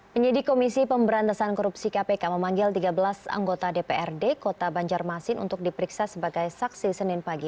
penyidik komisi pemberantasan korupsi kpk memanggil tiga belas anggota dprd kota banjarmasin untuk diperiksa sebagai saksi senin pagi